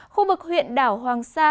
khu vực huyện đảo hoàng sa